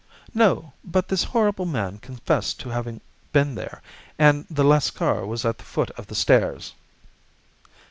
"No, but this horrible man confessed to having been there, and the Lascar was at the foot of the stairs."